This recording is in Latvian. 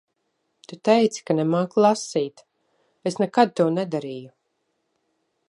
Tu teici ka nemāki lasīt. Es nekad to nedarīju.